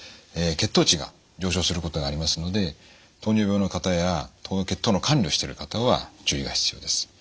血糖値が上昇することがありますので糖尿病の方や血糖の管理をしている方は注意が必要です。